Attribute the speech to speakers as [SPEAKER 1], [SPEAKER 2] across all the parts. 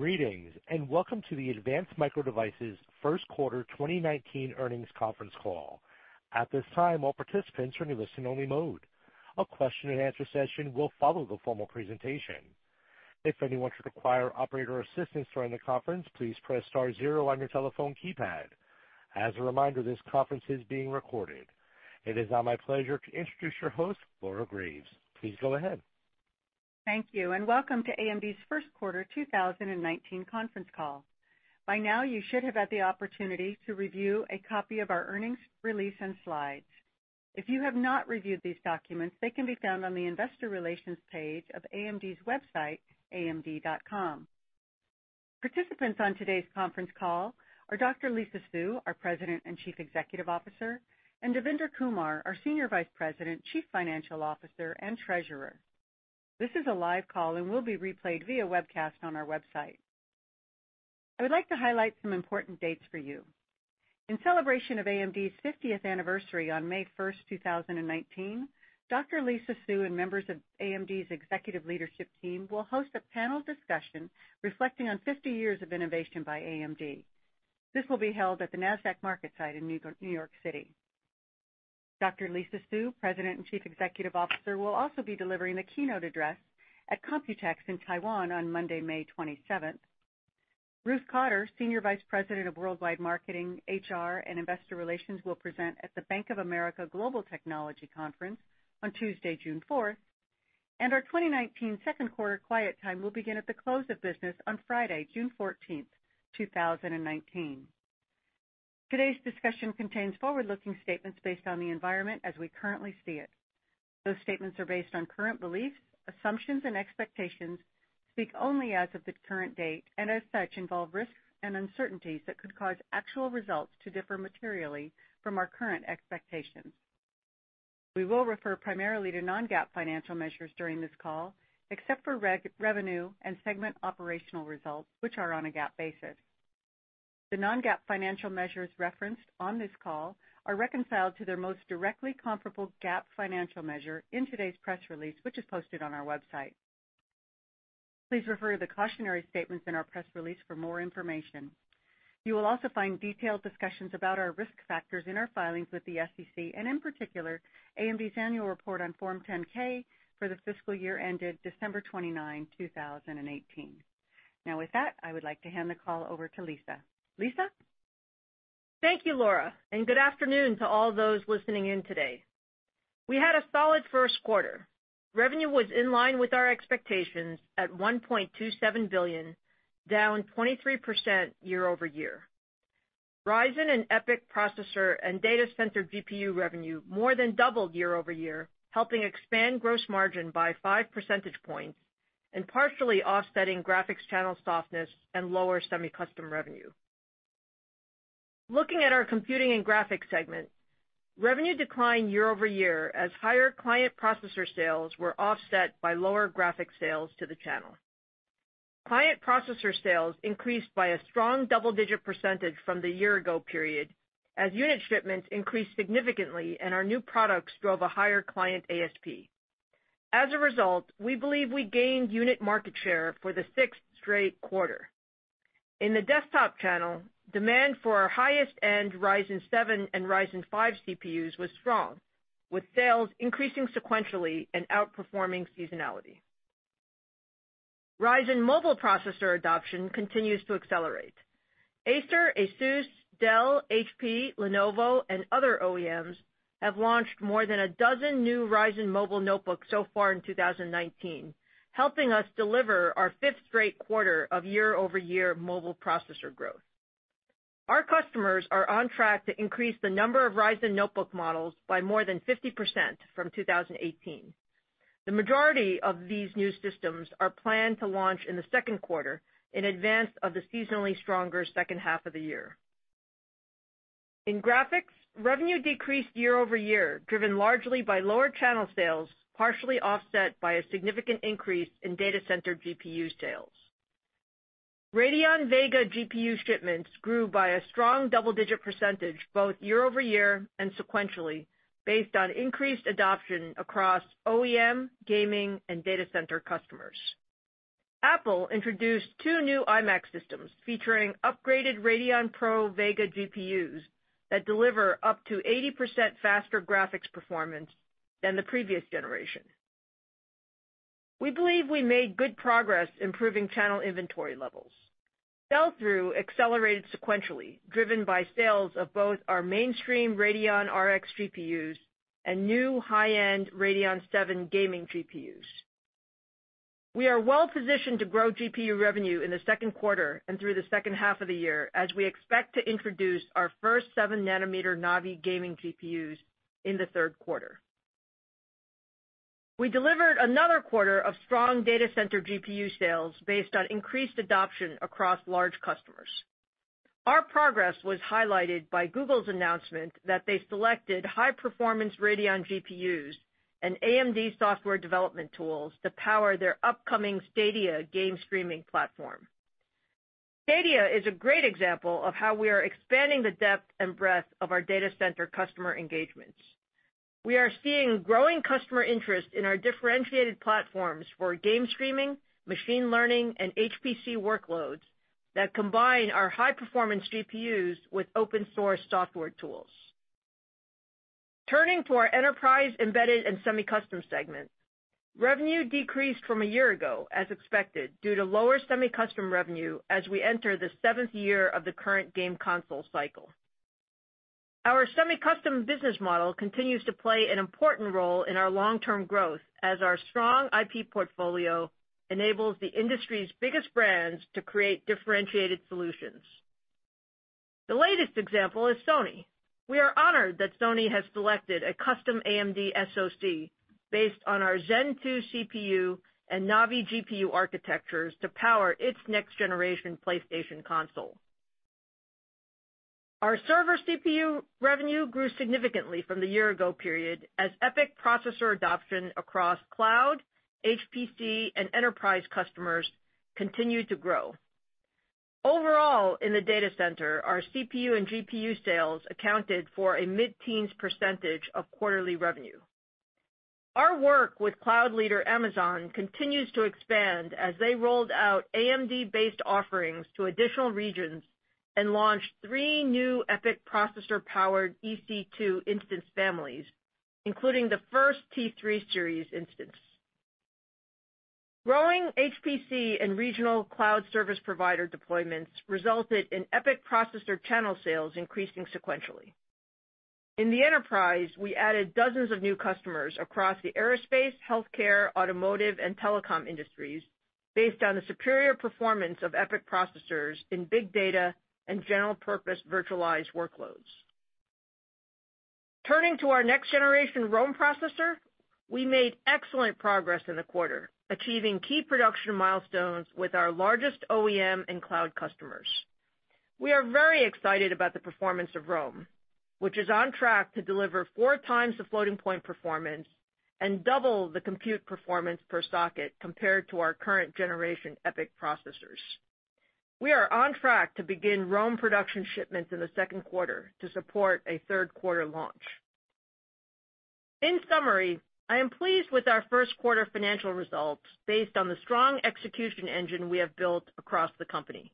[SPEAKER 1] Greetings, and welcome to the Advanced Micro Devices First Quarter 2019 Earnings Conference Call. At this time, all participants are in listen-only mode. A question-and-answer session will follow the formal presentation. If anyone should require operator assistance during the conference, please press star zero on your telephone keypad. As a reminder, this conference is being recorded. It is now my pleasure to introduce your host, Laura Graves. Please go ahead.
[SPEAKER 2] Thank you. Welcome to AMD's First Quarter 2019 Conference Call. By now, you should have had the opportunity to review a copy of our earnings release and slides. If you have not reviewed these documents, they can be found on the investor relations page of AMD's website, amd.com. Participants on today's conference call are Dr. Lisa Su, our President and Chief Executive Officer, and Devinder Kumar, our Senior Vice President, Chief Financial Officer, and Treasurer. This is a live call and will be replayed via webcast on our website. I would like to highlight some important dates for you. In celebration of AMD's 50th anniversary on May 1, 2019, Dr. Lisa Su and members of AMD's executive leadership team will host a panel discussion reflecting on 50 years of innovation by AMD. This will be held at the Nasdaq MarketSite in New York City. Dr. Lisa Su, President and Chief Executive Officer, will also be delivering the keynote address at Computex in Taiwan on Monday, May 27th. Ruth Cotter, Senior Vice President of Worldwide Marketing, HR, and Investor Relations, will present at the Bank of America Global Technology Conference on Tuesday, June 4th. Our 2019 second quarter quiet time will begin at the close of business on Friday, June 14th, 2019. Today's discussion contains forward-looking statements based on the environment as we currently see it. Those statements are based on current beliefs, assumptions, and expectations, speak only as of the current date, and as such, involve risks and uncertainties that could cause actual results to differ materially from our current expectations. We will refer primarily to non-GAAP financial measures during this call, except for revenue and segment operational results, which are on a GAAP basis. The non-GAAP financial measures referenced on this call are reconciled to their most directly comparable GAAP financial measure in today's press release, which is posted on our website. Please refer to the cautionary statements in our press release for more information. You will also find detailed discussions about our risk factors in our filings with the SEC, and in particular, AMD's annual report on Form 10-K for the fiscal year ended December 29, 2018. Now with that, I would like to hand the call over to Lisa. Lisa?
[SPEAKER 3] Thank you, Laura, and good afternoon to all those listening in today. We had a solid first quarter. Revenue was in line with our expectations at $1.27 billion, down 23% year-over-year. Ryzen and EPYC processor and data center GPU revenue more than doubled year-over-year, helping expand gross margin by five percentage points and partially offsetting graphics channel softness and lower semi-custom revenue. Looking at our computing and graphics segment, revenue declined year-over-year as higher client processor sales were offset by lower graphic sales to the channel. Client processor sales increased by a strong double-digit percentage from the year ago period as unit shipments increased significantly. Our new products drove a higher client ASP. As a result, we believe we gained unit market share for the sixth straight quarter. In the desktop channel, demand for our highest-end Ryzen 7 and Ryzen 5 CPUs was strong, with sales increasing sequentially and outperforming seasonality. Ryzen Mobile processor adoption continues to accelerate. Acer, Asus, Dell, HP, Lenovo, and other OEMs have launched more than a dozen new Ryzen Mobile notebooks so far in 2019, helping us deliver our fifth straight quarter of year-over-year mobile processor growth. Our customers are on track to increase the number of Ryzen notebook models by more than 50% from 2018. The majority of these new systems are planned to launch in the second quarter in advance of the seasonally stronger second half of the year. In graphics, revenue decreased year-over-year, driven largely by lower channel sales, partially offset by a significant increase in data center GPU sales. Radeon Vega GPU shipments grew by a strong double-digit %, both year-over-year and sequentially based on increased adoption across OEM, gaming, and data center customers. Apple introduced two new iMac systems featuring upgraded Radeon Pro Vega GPUs that deliver up to 80% faster graphics performance than the previous generation. We believe we made good progress improving channel inventory levels. Sell-through accelerated sequentially, driven by sales of both our mainstream Radeon RX GPUs and new high-end Radeon VII gaming GPUs. We are well positioned to grow GPU revenue in the second quarter and through the second half of the year as we expect to introduce our first 7nm Navi gaming GPUs in the third quarter. We delivered another quarter of strong data center GPU sales based on increased adoption across large customers. Our progress was highlighted by Google's announcement that they selected high-performance Radeon GPUs and AMD software development tools to power their upcoming Stadia game streaming platform. Stadia is a great example of how we are expanding the depth and breadth of our data center customer engagements. We are seeing growing customer interest in our differentiated platforms for game streaming, machine learning, and HPC workloads that combine our high-performance GPUs with open source software tools. Turning to our enterprise embedded and semi-custom segment. Revenue decreased from a year ago, as expected, due to lower semi-custom revenue as we enter the seventh year of the current game console cycle. Our semi-custom business model continues to play an important role in our long-term growth as our strong IP portfolio enables the industry's biggest brands to create differentiated solutions. The latest example is Sony. We are honored that Sony has selected a custom AMD SoC based on our Zen 2 CPU and Navi GPU architectures to power its next-generation PlayStation console. Our server CPU revenue grew significantly from the year ago period as EPYC processor adoption across cloud, HPC, and enterprise customers continued to grow. Overall, in the data center, our CPU and GPU sales accounted for a mid-teens % of quarterly revenue. Our work with cloud leader Amazon continues to expand as they rolled out AMD-based offerings to additional regions and launched three new EPYC processor-powered EC2 instance families, including the first T3 series instance. Growing HPC and regional cloud service provider deployments resulted in EPYC processor channel sales increasing sequentially. In the enterprise, we added dozens of new customers across the aerospace, healthcare, automotive, and telecom industries based on the superior performance of EPYC processors in big data and general purpose virtualized workloads. Turning to our next-generation Rome processor, we made excellent progress in the quarter, achieving key production milestones with our largest OEM and cloud customers. We are very excited about the performance of Rome, which is on track to deliver 4x the floating-point performance and 2x the compute performance per socket compared to our current generation EPYC processors. We are on track to begin Rome production shipments in the second quarter to support a third quarter launch. In summary, I am pleased with our first quarter financial results based on the strong execution engine we have built across the company.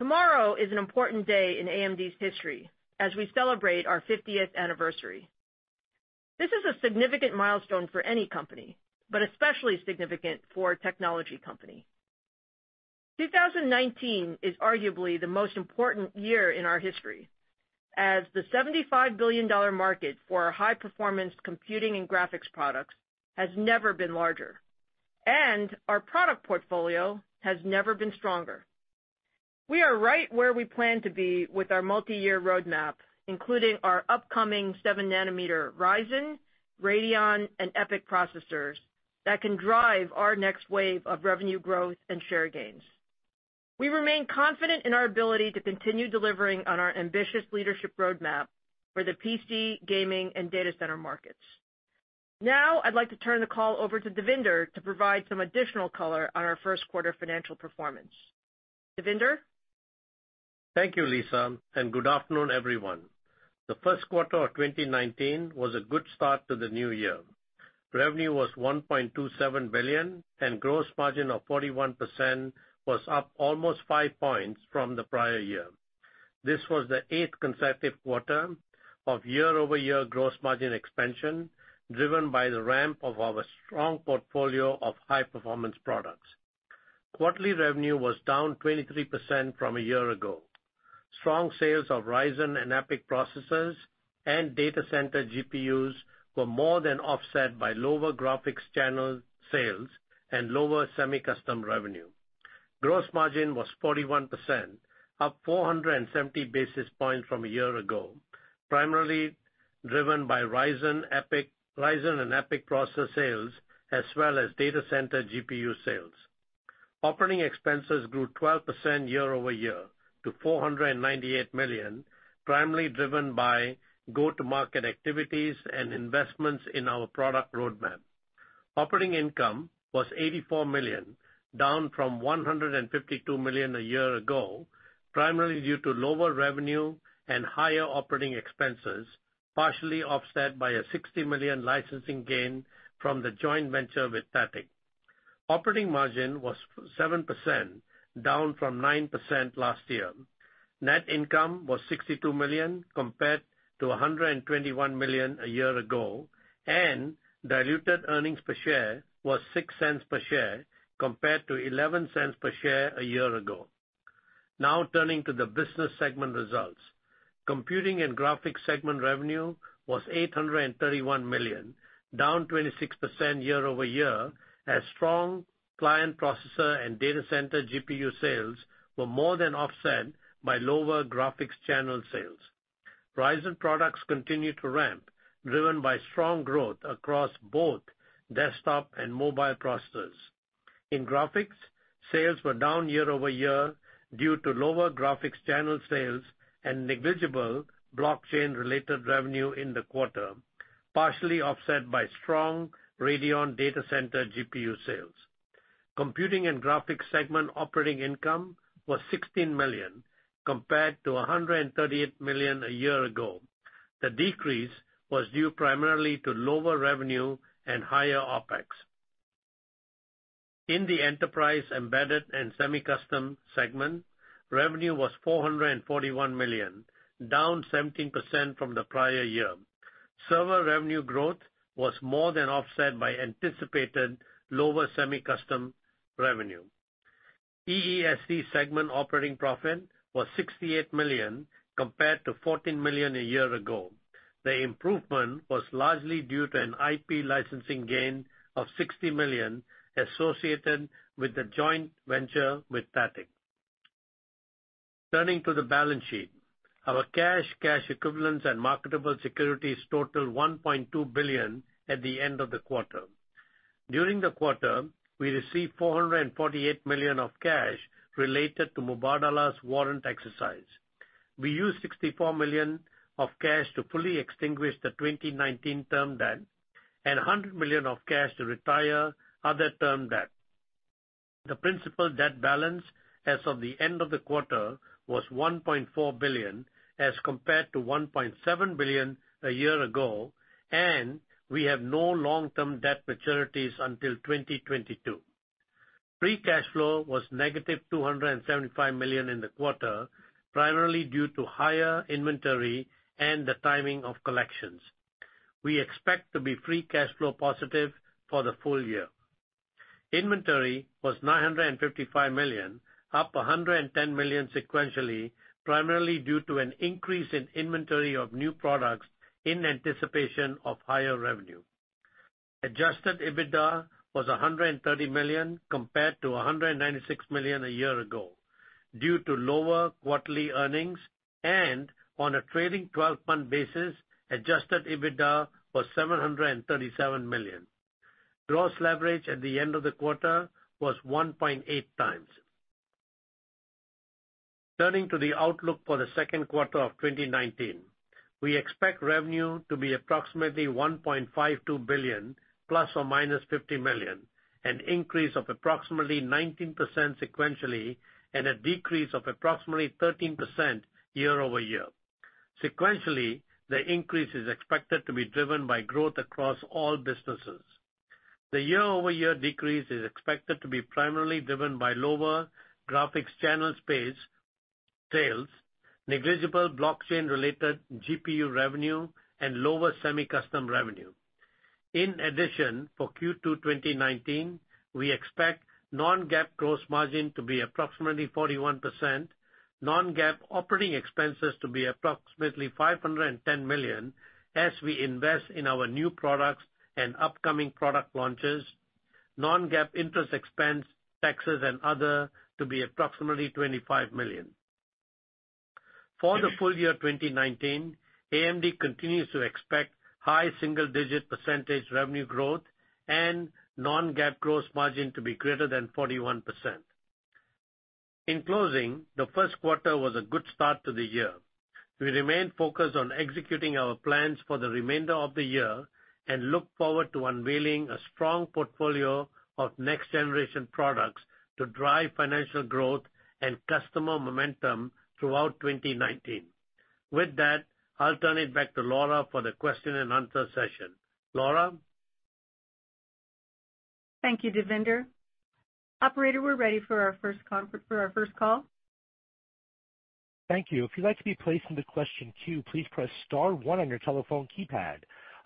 [SPEAKER 3] Tomorrow is an important day in AMD's history as we celebrate our 50th anniversary. This is a significant milestone for any company, but especially significant for a technology company. 2019 is arguably the most important year in our history, as the $75 billion market for our high-performance computing and graphics products has never been larger, our product portfolio has never been stronger. We are right where we plan to be with our multiyear roadmap, including our upcoming 7nm Ryzen, Radeon, and EPYC processors that can drive our next wave of revenue growth and share gains. We remain confident in our ability to continue delivering on our ambitious leadership roadmap for the PC, gaming, and data center markets. Now, I'd like to turn the call over to Devinder to provide some additional color on our first quarter financial performance. Devinder?
[SPEAKER 4] Thank you, Lisa, and good afternoon, everyone. The first quarter of 2019 was a good start to the new year. Revenue was $1.27 billion, and gross margin of 41% was up almost five points from the prior year. This was the eighth consecutive quarter of year-over-year gross margin expansion, driven by the ramp of our strong portfolio of high-performance products. Quarterly revenue was down 23% from a year ago. Strong sales of Ryzen and EPYC processors and data center GPUs were more than offset by lower graphics channel sales and lower semi-custom revenue. Gross margin was 41%, up 470 bps from a year ago, primarily driven by Ryzen and EPYC processor sales, as well as data center GPU sales. Operating expenses grew 12% year-over-year to $498 million, primarily driven by go-to-market activities and investments in our product roadmap. Operating income was $84 million, down from $152 million a year ago, primarily due to lower revenue and higher operating expenses, partially offset by a $60 million licensing gain from the joint venture with THATIC. Operating margin was 7%, down from 9% last year. Net income was $62 million compared to $121 million a year ago, and diluted earnings per share was $0.06 per share compared to $0.11 per share a year ago. Turning to the business segment results. Computing and Graphics segment revenue was $831 million, down 26% year-over-year as strong client processor and data center GPU sales were more than offset by lower graphics channel sales. Ryzen products continued to ramp, driven by strong growth across both desktop and mobile processors. In graphics, sales were down year-over-year due to lower graphics channel sales and negligible blockchain-related revenue in the quarter, partially offset by strong Radeon data center GPU sales. Computing and graphics segment operating income was $16 million compared to $138 million a year ago. The decrease was due primarily to lower revenue and higher OpEx. In the Enterprise, Embedded, and Semi-Custom segment, revenue was $441 million, down 17% from the prior year. Server revenue growth was more than offset by anticipated lower semi-custom revenue. EESC segment operating profit was $68 million compared to $14 million a year ago. The improvement was largely due to an IP licensing gain of $60 million associated with the joint venture with THATIC. Turning to the balance sheet. Our cash equivalents and marketable securities totaled $1.2 billion at the end of the quarter. During the quarter, we received $448 million of cash related to Mubadala's warrant exercise. We used $64 million of cash to fully extinguish the 2019 term debt and $100 million of cash to retire other term debt. The principal debt balance as of the end of the quarter was $1.4 billion as compared to $1.7 billion a year ago. We have no long-term debt maturities until 2022. Free cash flow was negative $275 million in the quarter, primarily due to higher inventory and the timing of collections. We expect to be free cash flow positive for the full year. Inventory was $955 million, up $110 million sequentially, primarily due to an increase in inventory of new products in anticipation of higher revenue. Adjusted EBITDA was $130 million compared to $196 million a year ago due to lower quarterly earnings and on a trailing 12-month basis, Adjusted EBITDA was $737 million. Gross leverage at the end of the quarter was 1.8x. Turning to the outlook for the second quarter of 2019. We expect revenue to be approximately $1.52 billion ±$50 million, an increase of approximately 19% sequentially and a decrease of approximately 13% year-over-year. Sequentially, the increase is expected to be driven by growth across all businesses. The year-over-year decrease is expected to be primarily driven by lower graphics channel space sales, negligible blockchain-related GPU revenue, and lower semi-custom revenue. For Q2 2019, we expect non-GAAP gross margin to be approximately 41%, non-GAAP operating expenses to be approximately $510 million as we invest in our new products and upcoming product launches. Non-GAAP interest expense, taxes, and other to be approximately $25 million. For the full year 2019, AMD continues to expect high single-digit % revenue growth and non-GAAP gross margin to be greater than 41%. In closing, the first quarter was a good start to the year. We remain focused on executing our plans for the remainder of the year and look forward to unveiling a strong portfolio of next generation products to drive financial growth and customer momentum throughout 2019. With that, I'll turn it back to Laura for the question-and-answer session. Laura?
[SPEAKER 2] Thank you, Devinder. Operator, we're ready for our first call.
[SPEAKER 1] Thank you. If you would like to be placed in a question queue, please press star one in your telephone keypad.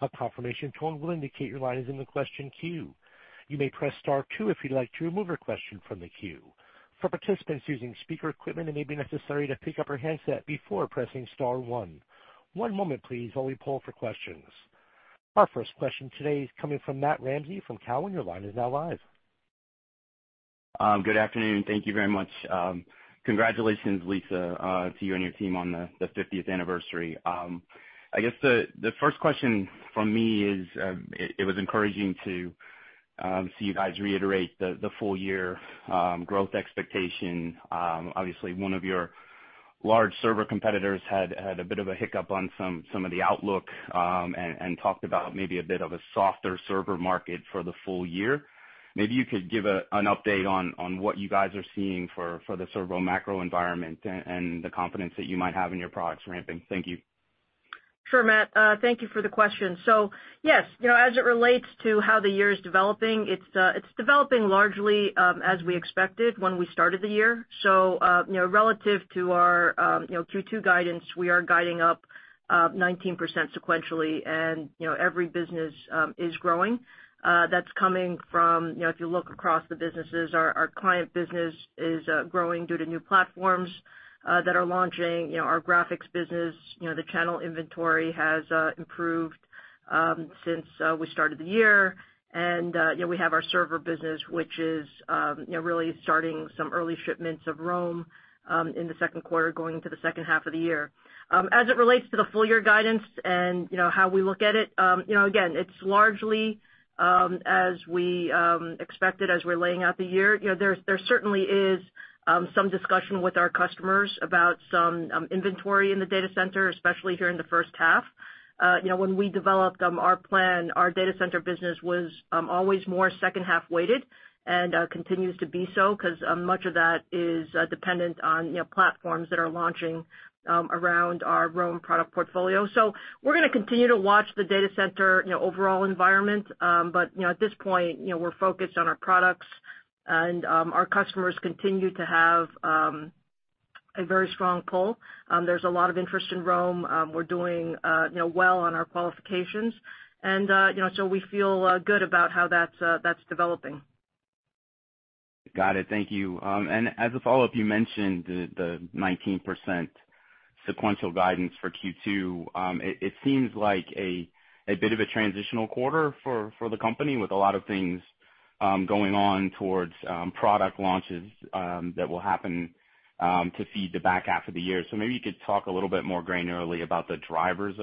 [SPEAKER 1] A confirmation tone will indicate your line is in the question queue, you may press star two if you want to remove your question in the queue. For participants using speaker equipment, it may be necessary to pick up your handset before pressing one. One moment please before we poll for questions. Our first question today is coming from Matt Ramsay from Cowen. Your line is now live.
[SPEAKER 5] Good afternoon. Thank you very much. Congratulations, Lisa, to you and your team on the 50th anniversary. I guess the first question from me is, it was encouraging to see you guys reiterate the full year growth expectation. Obviously one of your large server competitors had a bit of a hiccup on some of the outlook and talked about maybe a bit of a softer server market for the full year. Maybe you could give an update on what you guys are seeing for the server macro environment and the confidence that you might have in your products ramping. Thank you.
[SPEAKER 3] Sure, Matt. Thank you for the question. Yes, you know, as it relates to how the year is developing, it's developing largely as we expected when we started the year. You know, relative to our, you know, Q2 guidance, we are guiding up 19% sequentially and, you know, every business is growing. That's coming from, you know, if you look across the businesses, our client business is growing due to new platforms that are launching. You know, our graphics business, you know, the channel inventory has improved since we started the year. You know, we have our server business, which is, you know, really starting some early shipments of Rome in the second quarter going into the second half of the year. As it relates to the full year guidance and, you know, how we look at it, you know, again, it's largely as we expected as we're laying out the year. You know, there's, there certainly is some discussion with our customers about some inventory in the data center, especially here in the first half. You know, when we developed our plan, our data center business was always more second half weighted and continues to be so, 'cause much of that is dependent on, you know, platforms that are launching around our Rome product portfolio. We're gonna continue to watch the data center, you know, overall environment. But, you know, at this point, you know, we're focused on our products. Our customers continue to have a very strong pull. There's a lot of interest in Rome. We're doing, you know, well on our qualifications. You know, we feel good about how that's developing.
[SPEAKER 5] Got it. Thank you. As a follow-up, you mentioned the 19% sequential guidance for Q2. It seems like a bit of a transitional quarter for the company with a lot of things going on towards product launches that will happen to feed the back half of the year. Maybe you could talk a little bit more granularly about the drivers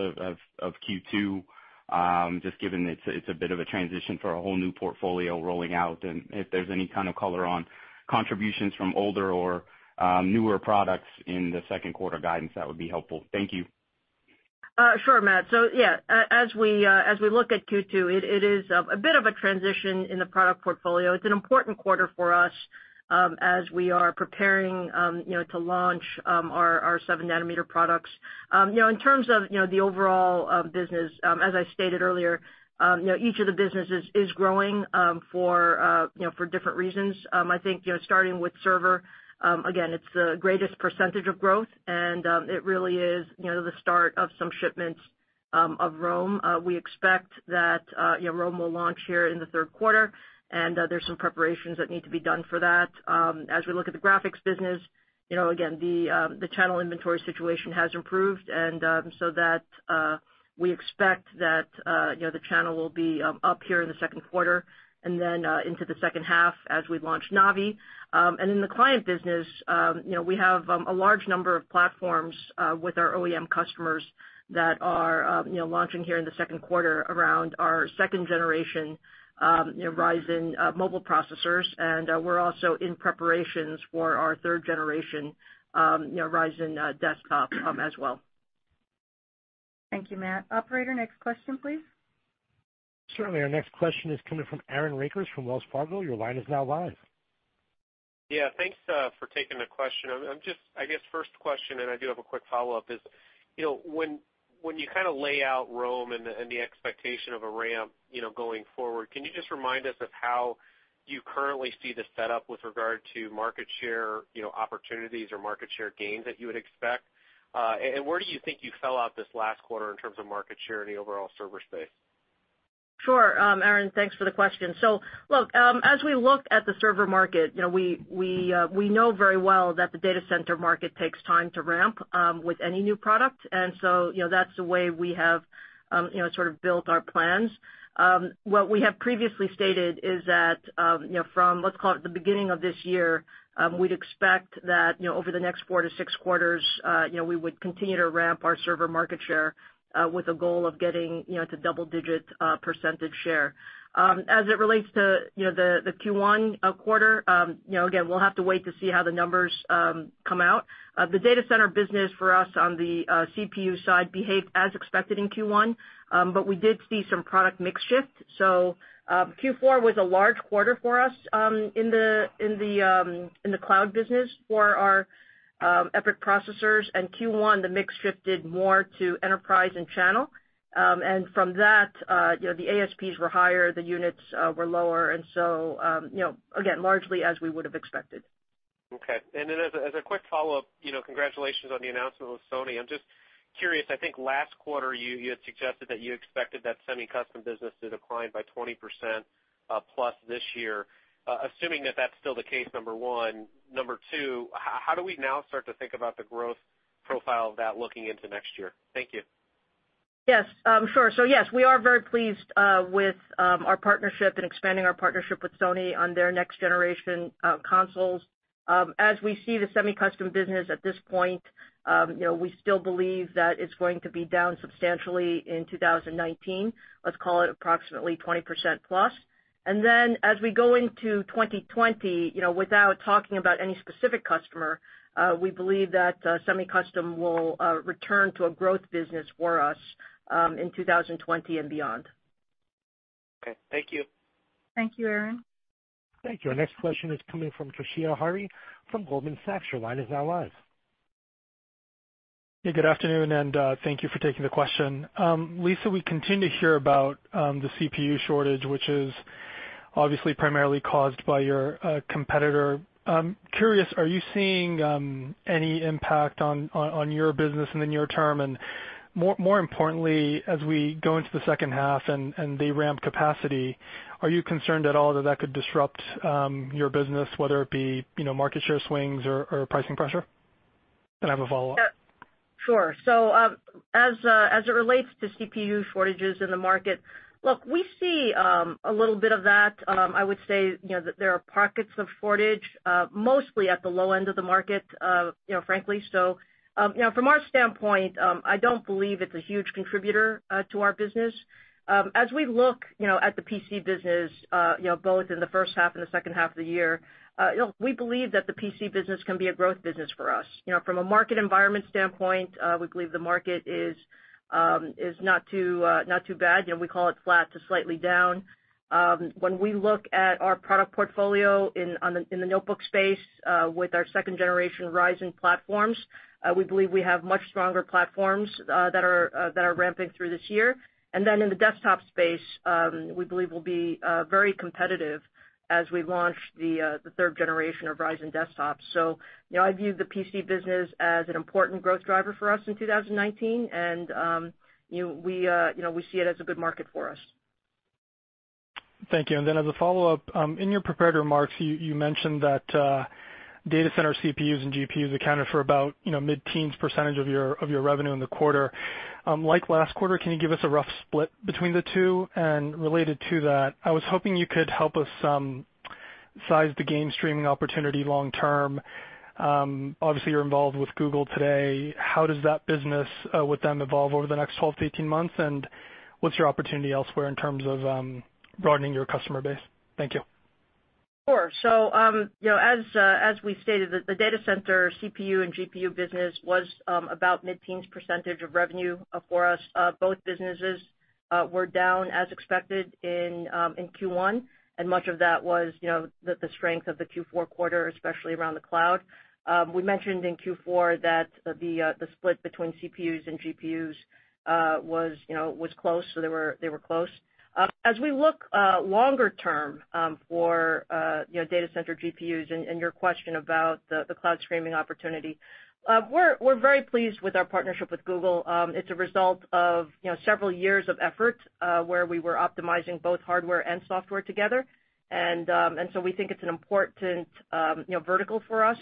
[SPEAKER 5] of Q2, just given it's a bit of a transition for a whole new portfolio rolling out, and if there's any kind of color on contributions from older or newer products in the second quarter guidance, that would be helpful. Thank you.
[SPEAKER 3] Sure, Matt. Yeah, as we, as we look at Q2, it is a bit of a transition in the product portfolio. It's an important quarter for us, as we are preparing, you know, to launch our 7nm products. You know, in terms of, you know, the overall business, as I stated earlier, you know, each of the businesses is growing for, you know, for different reasons. I think, you know, starting with server, again, it's the greatest percentage of growth, and it really is, you know, the start of some shipments of Rome. We expect that, you know, Rome will launch here in the third quarter, and there's some preparations that need to be done for that. As we look at the graphics business, you know, again, the channel inventory situation has improved, and so that, we expect that, you know, the channel will be up here in the second quarter and then, into the second half as we launch Navi. In the client business, you know, we have a large number of platforms with our OEM customers that are, you know, launching here in the second quarter around our 2nd-generation, you know, Ryzen mobile processors. We're also in preparations for our 3rd-generation, you know, Ryzen desktop as well.
[SPEAKER 2] Thank you, Matt. Operator, next question, please.
[SPEAKER 1] Certainly. Our next question is coming from Aaron Rakers from Wells Fargo. Your line is now live.
[SPEAKER 6] Thanks for taking the question. I'm just, I guess, first question, and I do have a quick follow-up, is, you know, when you kinda lay out Rome and the expectation of a ramp, you know, going forward, can you just remind us of how you currently see the setup with regard to market share, you know, opportunities or market share gains that you would expect? Where do you think you fell out this last quarter in terms of market share in the overall server space?
[SPEAKER 3] Sure. Aaron Rakers, thanks for the question. As we look at the server market, you know, we know very well that the data center market takes time to ramp with any new product. You know, that's the way we have, you know, sort of built our plans. What we have previously stated is that, you know, from, let's call it the beginning of this year, we'd expect that, you know, over the next four to six quarters, you know, we would continue to ramp our server market share with a goal of getting, you know, to double-digit percentage share. As it relates to, you know, the Q1 quarter, you know, again, we'll have to wait to see how the numbers come out. The data center business for us on the CPU side behaved as expected in Q1. We did see some product mix shift. Q4 was a large quarter for us in the cloud business for our EPYC processors. Q1, the mix shifted more to enterprise and channel. From that, you know, the ASPs were higher, the units were lower, you know, again, largely as we would have expected.
[SPEAKER 6] Okay. As a quick follow-up, you know, congratulations on the announcement with Sony. I'm just curious, I think last quarter you had suggested that you expected that semi-custom business to decline by 20% plus this year. Assuming that that's still the case, number one. Number two, how do we now start to think about the growth profile of that looking into next year? Thank you.
[SPEAKER 3] Yes. Sure. Yes, we are very pleased with our partnership and expanding our partnership with Sony on their next-generation consoles. As we see the semi-custom business at this point, you know, we still believe that it's going to be down substantially in 2019. Let's call it approximately 20% plus. As we go into 2020, you know, without talking about any specific customer, we believe that semi-custom will return to a growth business for us in 2020 and beyond.
[SPEAKER 6] Okay. Thank you.
[SPEAKER 2] Thank you, Aaron.
[SPEAKER 1] Thank you. Our next question is coming from Toshiya Hari from Goldman Sachs.
[SPEAKER 7] Good afternoon, and, thank you for taking the question. Lisa, we continue to hear about the CPU shortage, which is obviously primarily caused by your competitor. I'm curious, are you seeing any impact on your business in the near term? More importantly, as we go into the second half and the ramp capacity, are you concerned at all that that could disrupt your business, whether it be, you know, market share swings or pricing pressure? I have a follow-up.
[SPEAKER 3] Sure. As it relates to CPU shortages in the market, look, we see a little bit of that. I would say, you know, that there are pockets of shortage, mostly at the low end of the market, you know, frankly. You know, from our standpoint, I don't believe it's a huge contributor to our business. As we look, you know, at the PC business, you know, both in the first half and the second half of the year, you know, we believe that the PC business can be a growth business for us. You know, from a market environment standpoint, we believe the market is not too, not too bad. You know, we call it flat to slightly down. When we look at our product portfolio in the notebook space, with our 2nd-generation Ryzen platforms, we believe we have much stronger platforms that are ramping through this year. In the desktop space, we believe we'll be very competitive as we launch the 3rd-generation of Ryzen desktops. You know, I view the PC business as an important growth driver for us in 2019, and, you know, we see it as a good market for us.
[SPEAKER 7] Thank you. Then as a follow-up, in your prepared remarks, you mentioned that data center CPUs and GPUs accounted for about, you know, mid-teens percentage of your revenue in the quarter. Like last quarter, can you give us a rough split between the two? Related to that, I was hoping you could help us size the game streaming opportunity long term. Obviously, you're involved with Google today. How does that business with them evolve over the next 12 to 18 months? What's your opportunity elsewhere in terms of broadening your customer base? Thank you.
[SPEAKER 3] Sure. You know, as we stated, the data center CPU and GPU business was about mid-teens percentage of revenue for us. Both businesses were down as expected in Q1, and much of that was, you know, the strength of the Q4 quarter, especially around the cloud. We mentioned in Q4 that the split between CPUs and GPUs was, you know, was close, so they were, they were close. As we look longer term for, you know, data center GPUs and your question about the cloud streaming opportunity, we're very pleased with our partnership with Google. It's a result of, you know, several years of effort, where we were optimizing both hardware and software together. We think it's an important, you know, vertical for us.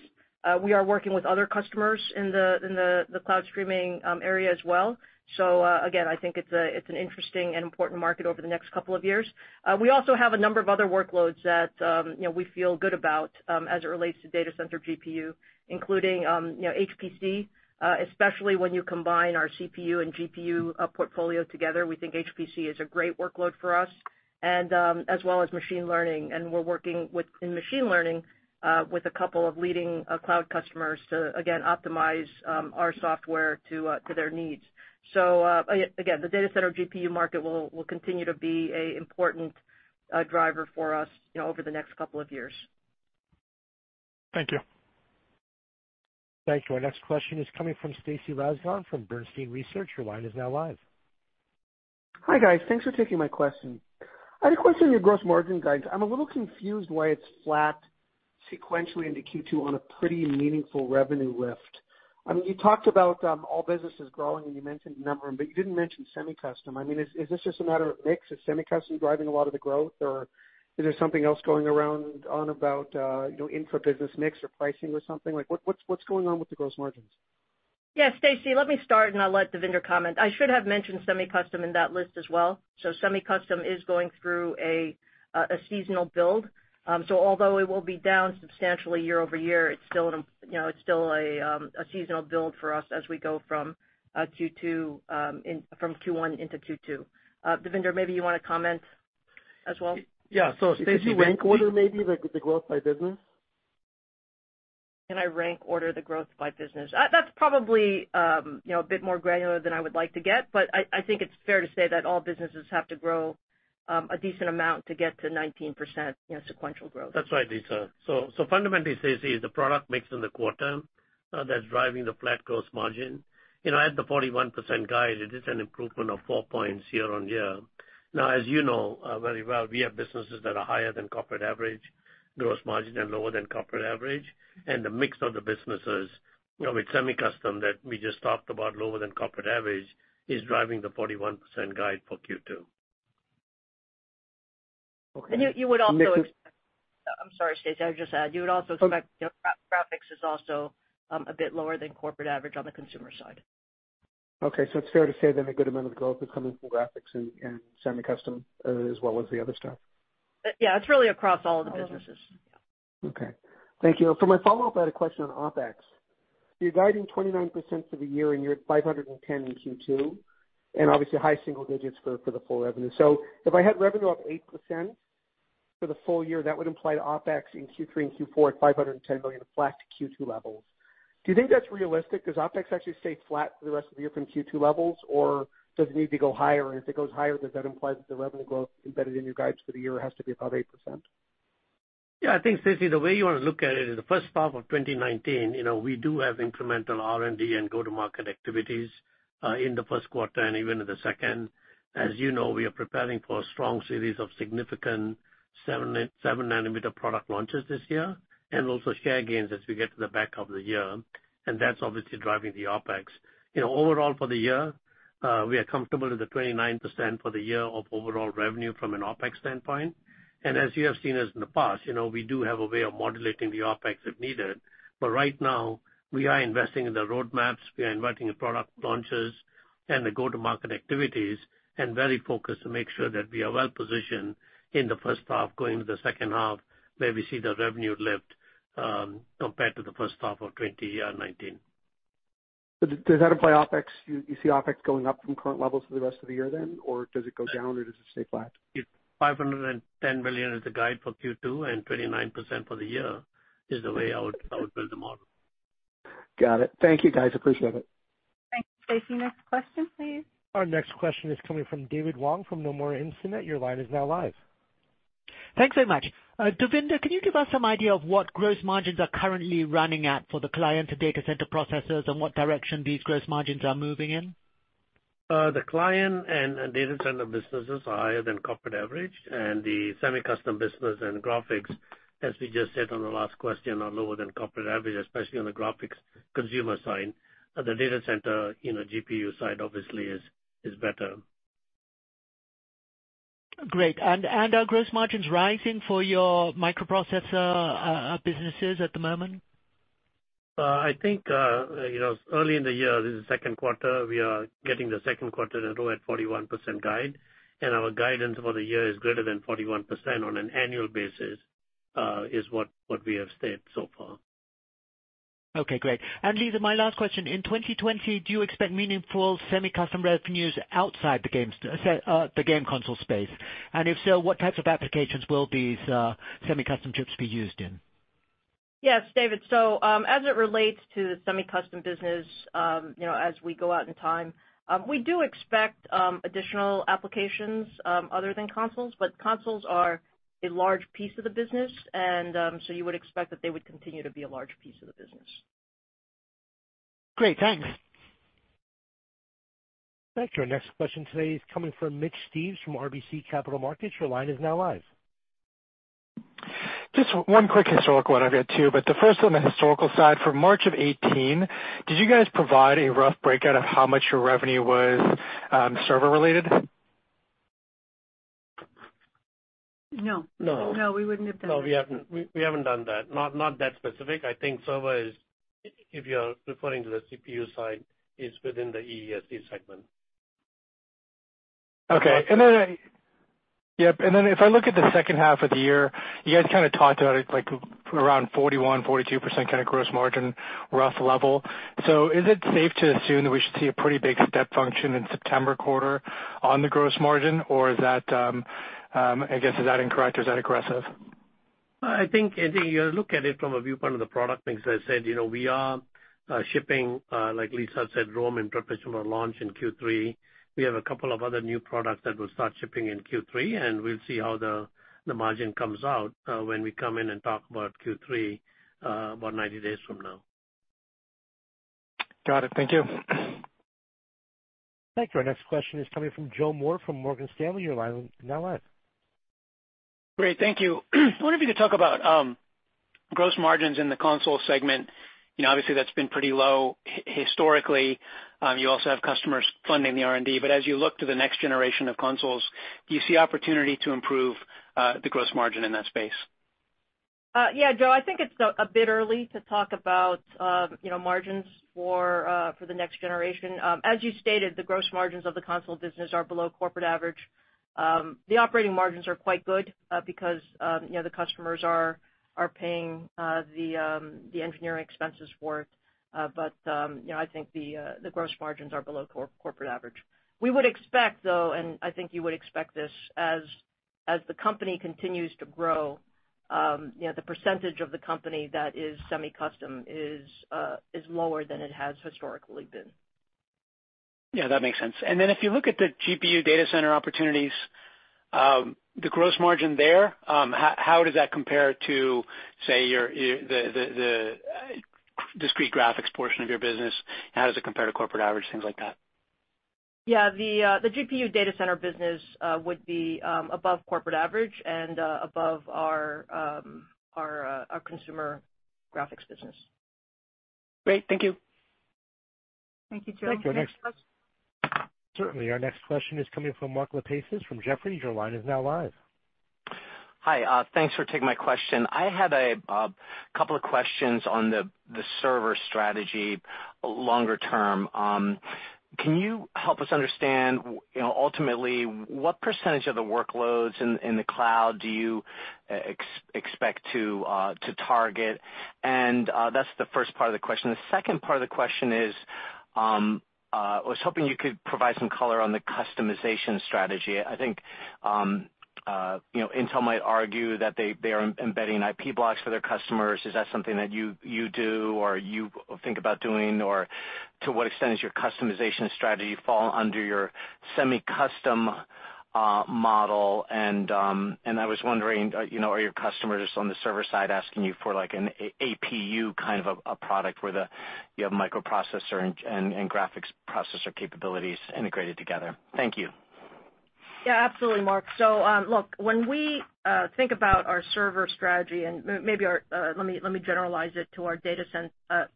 [SPEAKER 3] We are working with other customers in the cloud streaming area as well. Again, I think it's an interesting and important market over the next two years. We also have a number of other workloads that, you know, we feel good about, as it relates to data center GPU, including, you know, HPC, especially when you combine our CPU and GPU portfolio together. We think HPC is a great workload for us and as well as machine learning. We're working in machine learning with two leading cloud customers to, again, optimize our software to their needs. Again, the data center GPU market will continue to be a important driver for us over the next couple of years.
[SPEAKER 7] Thank you.
[SPEAKER 1] Thank you. Our next question is coming from Stacy Rasgon from Bernstein Research. Your line is now live.
[SPEAKER 8] Hi, guys. Thanks for taking my question. I had a question on your gross margin guides. I'm a little confused why it's flat sequentially into Q2 on a pretty meaningful revenue lift. I mean, you talked about all businesses growing, and you mentioned the number, but you didn't mention semi-custom. I mean, is this just a matter of mix? Is semi-custom driving a lot of the growth, or is there something else going around on about, you know, intra-business mix or pricing or something? Like what's going on with the gross margins?
[SPEAKER 3] Yeah, Stacy, let me start, and I'll let Devinder comment. I should have mentioned semi-custom in that list as well. Semi-custom is going through a seasonal build. Although it will be down substantially year-over-year, it's still an, you know, it's still a seasonal build for us as we go from Q2 from Q1 into Q2. Devinder, maybe you wanna comment as well?
[SPEAKER 4] Yeah.
[SPEAKER 8] Can you rank order maybe, like with the growth by business?
[SPEAKER 3] Can I rank order the growth by business? That's probably, you know, a bit more granular than I would like to get, but I think it's fair to say that all businesses have to grow, a decent amount to get to 19%, you know, sequential growth.
[SPEAKER 4] That's right, Lisa. Fundamentally, Stacy, is the product mix in the quarter that's driving the flat gross margin. You know, at the 41% guide, it is an improvement of four points year-over-year. As you know, very well, we have businesses that are higher than corporate average gross margin and lower than corporate average, and the mix of the businesses, you know, with semi-custom that we just talked about lower than corporate average, is driving the 41% guide for Q2.
[SPEAKER 8] Okay.
[SPEAKER 3] You would also expect.
[SPEAKER 8] And make the-
[SPEAKER 3] I'm sorry, Stacy, I would just add, you would also expect.
[SPEAKER 8] Okay.
[SPEAKER 3] You know, graphics is also a bit lower than corporate average on the consumer side.
[SPEAKER 8] Okay. It's fair to say that a good amount of the growth is coming from graphics and semi-custom, as well as the other stuff?
[SPEAKER 3] Yeah, it's really across all of the businesses.
[SPEAKER 8] Okay. Thank you. For my follow-up, I had a question on OpEx. You're guiding 29% for the year, and you're at $510 in Q2, and obviously high single digits for the full revenue. If I had revenue up 8% for the full year, that would imply to OpEx in Q3 and Q4 at $510 million of flat to Q2 levels. Do you think that's realistic? Does OpEx actually stay flat for the rest of the year from Q2 levels, or does it need to go higher? If it goes higher, does that imply that the revenue growth embedded in your guides for the year has to be above 8%?
[SPEAKER 4] I think, Stacy, the way you wanna look at it is the first half of 2019, you know, we do have incremental R&D and go-to-market activities in the first quarter and even in the second. As you know, we are preparing for a strong series of significant 7nm product launches this year and also share gains as we get to the back half of the year, that's obviously driving the OpEx. You know, overall for the year, we are comfortable with the 29% for the year of overall revenue from an OpEx standpoint. As you have seen us in the past, you know, we do have a way of modulating the OpEx if needed. Right now, we are investing in the roadmaps, we are investing in product launches and the go-to-market activities, and very focused to make sure that we are well positioned in the first half going to the second half, where we see the revenue lift, compared to the first half of 2019.
[SPEAKER 8] Does that imply OpEx? You see OpEx going up from current levels for the rest of the year then? Or does it go down or does it stay flat?
[SPEAKER 4] $510 billion is the guide for Q2, and 29% for the year is the way I would build the model.
[SPEAKER 8] Got it. Thank you, guys. Appreciate it.
[SPEAKER 2] Thanks, Stacy. Next question, please.
[SPEAKER 1] Our next question is coming from David Wong from Nomura Instinet.
[SPEAKER 9] Thanks so much. Devinder, can you give us some idea of what gross margins are currently running at for the client data center processors and what direction these gross margins are moving in?
[SPEAKER 4] The client and data center businesses are higher than corporate average, and the semi-custom business and graphics, as we just said on the last question, are lower than corporate average, especially on the graphics consumer side. The data center, you know, GPU side obviously is better.
[SPEAKER 9] Great. Are gross margins rising for your microprocessor businesses at the moment?
[SPEAKER 4] I think, you know, early in the year, this is the second quarter, we are getting the second quarter at around 41% guide, and our guidance for the year is greater than 41% on an annual basis, is what we have stayed so far.
[SPEAKER 9] Okay, great. Lisa, my last question. In 2020, do you expect meaningful semi-custom revenues outside the games, the game console space? If so, what types of applications will these semi-custom chips be used in?
[SPEAKER 3] Yes, David. As it relates to the semi-custom business, you know, as we go out in time, we do expect additional applications other than consoles, but consoles are a large piece of the business, and you would expect that they would continue to be a large piece of the business.
[SPEAKER 9] Great. Thank you.
[SPEAKER 1] Thank you. Our next question today is coming from Mitch Steves from RBC Capital Markets. Your line is now live.
[SPEAKER 10] Just one quick historical one I've got too, but the first on the historical side. For March of 2018, did you guys provide a rough breakout of how much your revenue was server related?
[SPEAKER 3] No.
[SPEAKER 4] No.
[SPEAKER 3] No, we wouldn't have done that.
[SPEAKER 4] No, we haven't done that. Not that specific. I think server is, if you are referring to the CPU side, is within the EESC segment.
[SPEAKER 10] Okay. If I look at the second half of the year, you guys kinda talked about it like around 41% - 42% kinda gross margin rough level. Is it safe to assume that we should see a pretty big step function in September quarter on the gross margin? I guess, is that incorrect or is that aggressive?
[SPEAKER 4] I think you look at it from a viewpoint of the product, because I said, you know, we are shipping, like Lisa said, Rome in perpetual launch in Q3. We have a couple of other new products that will start shipping in Q3, and we'll see how the margin comes out when we come in and talk about Q3, about 90 days from now.
[SPEAKER 10] Got it. Thank you.
[SPEAKER 1] Thank you. Our next question is coming from Joe Moore from Morgan Stanley. Your line is now live.
[SPEAKER 11] Great. Thank you. I wonder if you could talk about gross margins in the console segment. You know, obviously, that's been pretty low historically. You also have customers funding the R&D. As you look to the next generation of consoles, do you see opportunity to improve the gross margin in that space?
[SPEAKER 3] Yeah, Joe. I think it's a bit early to talk about, you know, margins for the next generation. As you stated, the gross margins of the console business are below corporate average. The operating margins are quite good, because, you know, the customers are paying the engineering expenses for it. But, you know, I think the gross margins are below corporate average. We would expect, though, and I think you would expect this, as the company continues to grow, you know, the percentage of the company that is semi-custom is lower than it has historically been.
[SPEAKER 11] Yeah, that makes sense. If you look at the GPU data center opportunities, the gross margin there, how does that compare to, say, your discrete graphics portion of your business? How does it compare to corporate average, things like that?
[SPEAKER 3] Yeah. The GPU data center business would be above corporate average and above our consumer graphics business.
[SPEAKER 11] Great. Thank you.
[SPEAKER 3] Thank you, Joe.
[SPEAKER 2] Thank you. Next question.
[SPEAKER 1] Certainly. Our next question is coming from Mark Lipacis from Jefferies. Your line is now live.
[SPEAKER 12] Hi. Thanks for taking my question. I had a couple of questions on the server strategy longer term. Can you help us understand, you know, ultimately, what percentage of the workloads in the cloud do you expect to target? That's the first part of the question. The second part of the question is, I was hoping you could provide some color on the customization strategy. I think, you know, Intel might argue that they are embedding IP blocks for their customers. Is that something that you do or you think about doing? To what extent does your customization strategy fall under your semi-custom model? I was wondering, you know, are your customers on the server side asking you for like an APU kind of a product where you have microprocessor and graphics processor capabilities integrated together? Thank you.
[SPEAKER 3] Yeah, absolutely, Mark. Look, when we think about our server strategy and maybe our, let me generalize it to our data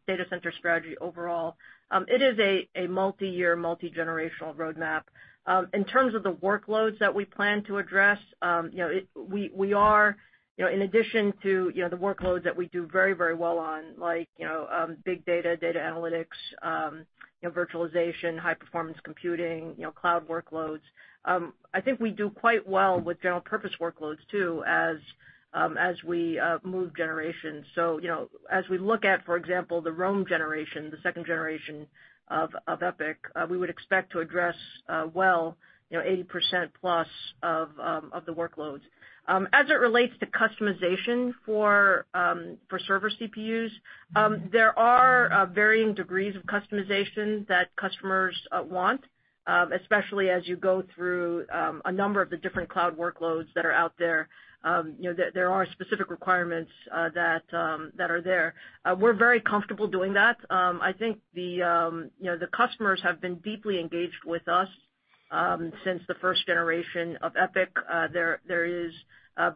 [SPEAKER 3] center strategy overall, it is a multi-year, multi-generational roadmap. In terms of the workloads that we plan to address, you know, we are, you know, in addition to, you know, the workloads that we do very well on, like, you know, big data analytics, you know, virtualization, high performance computing, you know, cloud workloads, I think we do quite well with general purpose workloads too as we move generations. You know, as we look at, for example, the Rome generation, the 2nd-generation of EPYC, we would expect to address, well, you know, 80% plus of the workloads. As it relates to customization for server CPUs, there are varying degrees of customization that customers want, especially as you go through a number of the different cloud workloads that are out there. You know, there are specific requirements that are there. We're very comfortable doing that. I think the, you know, the customers have been deeply engaged with us since the 1st-generation of EPYC. There is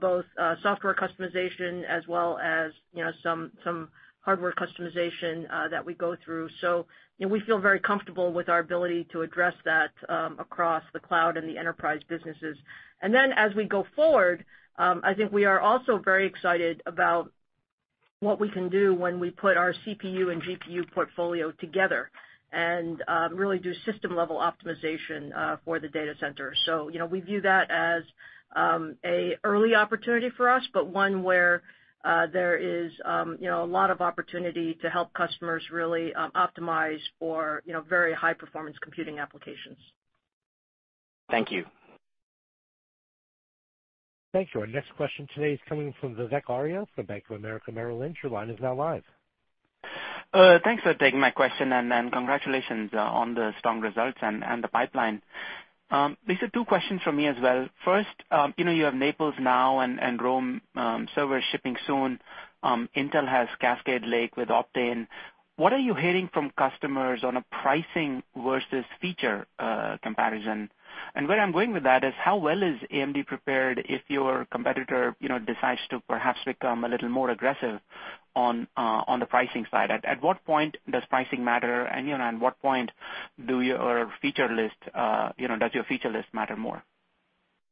[SPEAKER 3] both software customization as well as, you know, some hardware customization that we go through. You know, we feel very comfortable with our ability to address that across the cloud and the enterprise businesses. As we go forward, I think we are also very excited about what we can do when we put our CPU and GPU portfolio together and really do system-level optimization for the data center. You know, we view that as a early opportunity for us, but one where there is, you know, a lot of opportunity to help customers really optimize for, you know, very high performance computing applications.
[SPEAKER 12] Thank you.
[SPEAKER 1] Thank you. Our next question today is coming from Vivek Arya from Bank of America Merrill Lynch. Your line is now live.
[SPEAKER 13] Thanks for taking my question, congratulations on the strong results and the pipeline. These are two questions from me as well. First, you know, you have Naples now and Rome server shipping soon. Intel has Cascade Lake with Optane. What are you hearing from customers on a pricing versus feature comparison? Where I'm going with that is how well is AMD prepared if your competitor, you know, decides to perhaps become a little more aggressive on the pricing side? At what point does pricing matter, and, you know, what point does your feature list matter more?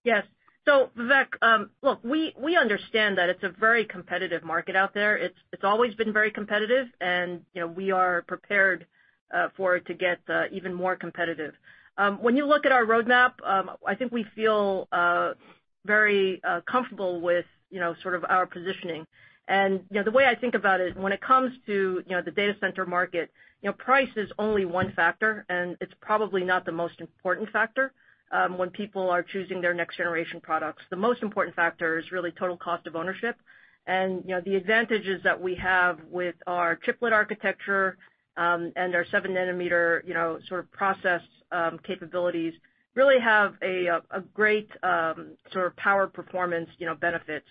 [SPEAKER 3] Yes. Vivek, look, we understand that it's a very competitive market out there. It's always been very competitive, and, you know, we are prepared for it to get even more competitive. When you look at our roadmap, I think we feel very comfortable with, you know, sort of our positioning. You know, the way I think about it, when it comes to, you know, the data center market, you know, price is only one factor, and it's probably not the most important factor when people are choosing their next generation products. The most important factor is really total cost of ownership. You know, the advantages that we have with our chiplet architecture, and our 7nm, you know, sort of process capabilities really have a great sort of power performance, you know, benefit.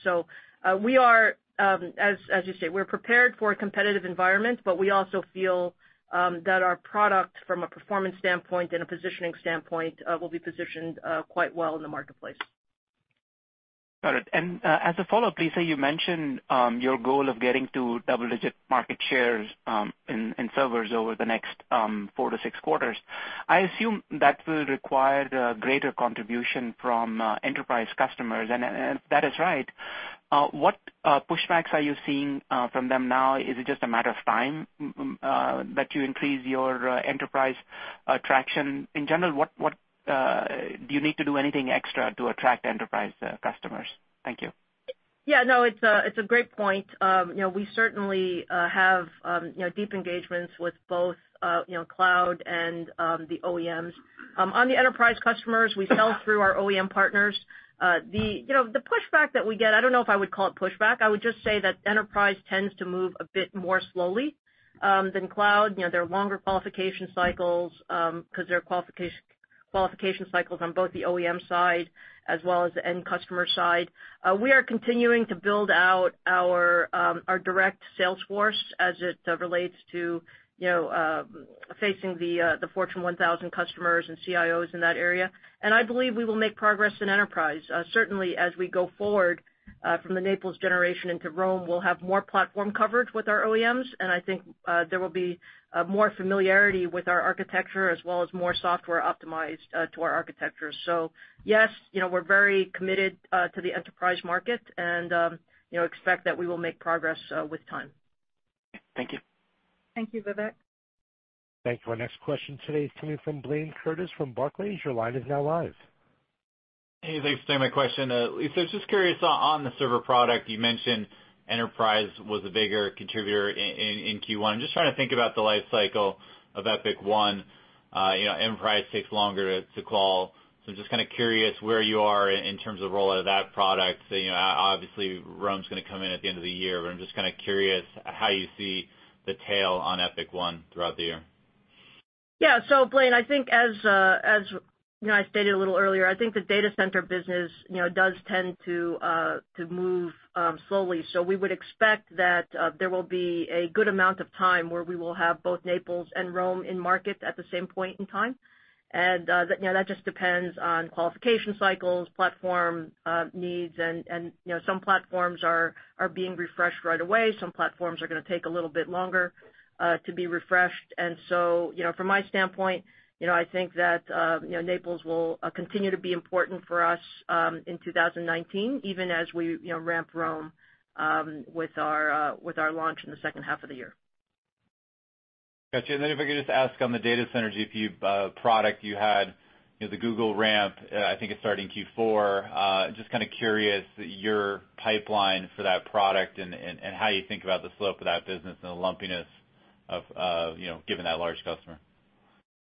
[SPEAKER 3] We are, as you say, we're prepared for a competitive environment, but we also feel that our product from a performance standpoint and a positioning standpoint will be positioned quite well in the marketplace.
[SPEAKER 13] Got it. As a follow-up, Lisa, you mentioned your goal of getting to double-digit market shares in servers over the next four to six quarters. I assume that will require the greater contribution from enterprise customers. If that is right, what pushbacks are you seeing from them now? Is it just a matter of time that you increase your enterprise attraction? In general, what do you need to do anything extra to attract enterprise customers? Thank you.
[SPEAKER 3] Yeah, no, it's a great point. You know, we certainly have, you know, deep engagements with both, you know, cloud and the OEMs. On the enterprise customers, we sell through our OEM partners. The, you know, the pushback that we get, I don't know if I would call it pushback. I would just say that enterprise tends to move a bit more slowly than cloud. You know, there are longer qualification cycles because there are qualification cycles on both the OEM side as well as the end customer side. We are continuing to build out our direct sales force as it relates to, you know, facing the Fortune 1000 customers and CIOs in that area. I believe we will make progress in enterprise. Certainly, as we go forward, from the Naples generation into Rome, we'll have more platform coverage with our OEMs, and I think, there will be more familiarity with our architecture as well as more software optimized to our architecture. Yes, you know, we're very committed to the enterprise market and, you know, expect that we will make progress with time.
[SPEAKER 13] Thank you.
[SPEAKER 2] Thank you, Vivek.
[SPEAKER 1] Thank you. Our next question today is coming from Blayne Curtis from Barclays. Your line is now live.
[SPEAKER 14] Hey, thanks for taking my question. Lisa, I was just curious on the server product. You mentioned enterprise was a bigger contributor in Q1. I'm just trying to think about the life cycle of EPYC 1. You know, enterprise takes longer to call. Just kinda curious where you are in terms of rollout of that product. You know, obviously, Rome's gonna come in at the end of the year, but I'm just kinda curious how you see the tail on EPYC 1 throughout the year.
[SPEAKER 3] Blayne, I think as you know, I stated a little earlier, I think the data center business, you know, does tend to move slowly. We would expect that there will be a good amount of time where we will have both Naples and Rome in market at the same point in time. That, you know, that just depends on qualification cycles, platform needs, and, you know, some platforms are being refreshed right away. Some platforms are gonna take a little bit longer to be refreshed. You know, from my standpoint, you know, I think that, you know, Naples will continue to be important for us in 2019, even as we, you know, ramp Rome with our launch in the second half of the year.
[SPEAKER 14] Gotcha. If I could just ask on the data center GPU product you had, you know, the Google ramp, I think it's starting Q4. Just kinda curious your pipeline for that product and how you think about the slope of that business and the lumpiness of, you know, given that large customer.
[SPEAKER 3] Yeah.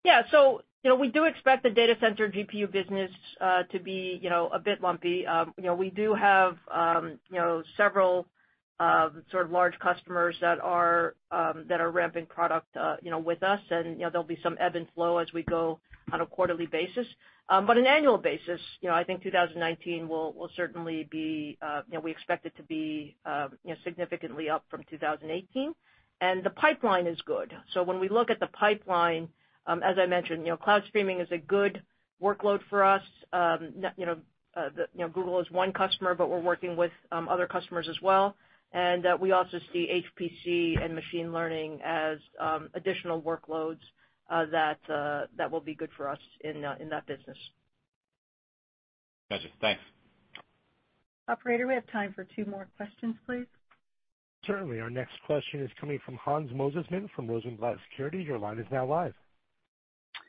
[SPEAKER 3] You know, we do expect the data center GPU business to be, you know, a bit lumpy. You know, we do have, you know, several sort of large customers that are ramping product, you know, with us. You know, there'll be some ebb and flow as we go on a quarterly basis. But an annual basis, you know, I think 2019 will certainly be, you know, we expect it to be, you know, significantly up from 2018. The pipeline is good. When we look at the pipeline, as I mentioned, you know, cloud streaming is a good workload for us, you know, the, you know, Google is one customer, but we're working with other customers as well. We also see HPC and machine learning as additional workloads that will be good for us in that business.
[SPEAKER 14] Gotcha. Thanks.
[SPEAKER 2] Operator, we have time for two more questions, please.
[SPEAKER 1] Certainly. Our next question is coming from Hans Mosesmann from Rosenblatt Securities. Your line is now live.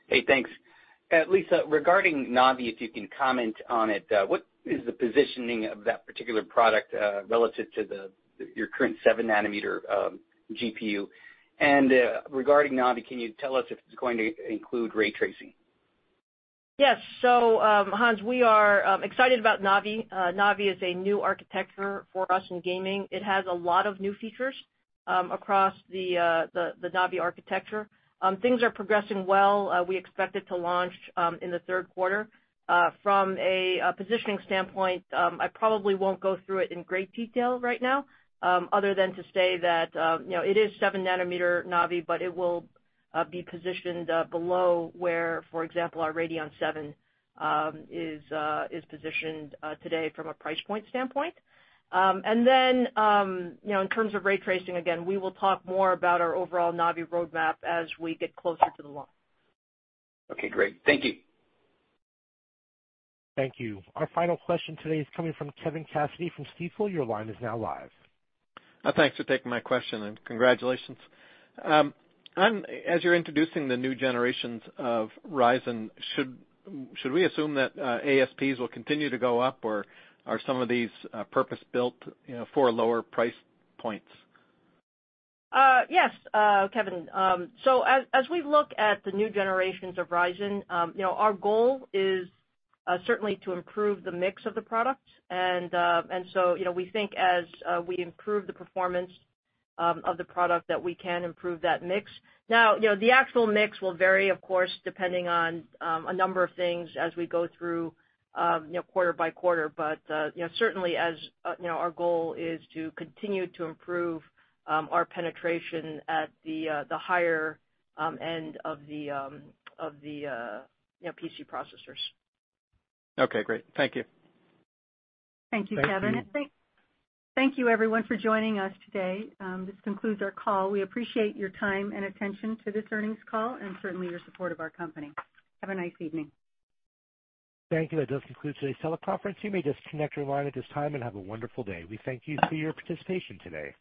[SPEAKER 15] Hey, thanks. Lisa, regarding Navi, if you can comment on it, what is the positioning of that particular product, relative to the, your current 7nm GPU? Regarding Navi, can you tell us if it's going to include ray tracing?
[SPEAKER 3] Yes, Hans, we are excited about Navi. Navi is a new architecture for us in gaming. It has a lot of new features across the Navi architecture. Things are progressing well. We expect it to launch in the third quarter. From a positioning standpoint, I probably won't go through it in great detail right now, other than to say that, you know, it is 7nm Navi, but it will be positioned below where, for example, our Radeon VII is positioned today from a price point standpoint. And then, you know, in terms of ray tracing, again, we will talk more about our overall Navi roadmap as we get closer to the launch.
[SPEAKER 15] Okay, great. Thank you.
[SPEAKER 1] Thank you. Our final question today is coming from Kevin Cassidy from Stifel. Your line is now live.
[SPEAKER 16] Thanks for taking my question, and congratulations. As you're introducing the new-generations of Ryzen, should we assume that ASPs will continue to go up, or are some of these, purpose-built, you know, for lower price points?
[SPEAKER 3] Yes, Kevin. As we look at the new-generations of Ryzen, you know, our goal is certainly to improve the mix of the products. You know, we think as we improve the performance of the product that we can improve that mix. Now, you know, the actual mix will vary, of course, depending on a number of things as we go through, you know, quarter by quarter. You know, certainly as, you know, our goal is to continue to improve our penetration at the higher end of the, of the, you know, PC processors.
[SPEAKER 16] Okay, great. Thank you.
[SPEAKER 2] Thank you, Kevin.
[SPEAKER 3] Thank you.
[SPEAKER 2] Thank you everyone for joining us today. This concludes our call. We appreciate your time and attention to this earnings call and certainly your support of our company. Have a nice evening.
[SPEAKER 1] Thank you. That does conclude today's teleconference. You may disconnect your line at this time and have a wonderful day. We thank you for your participation today.